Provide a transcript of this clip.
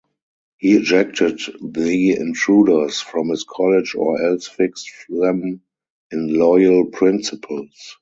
He ejected the intruders from his college or else fixed them in loyal principles.